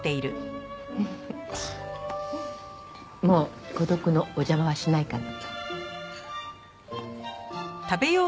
もう孤独のお邪魔はしないから。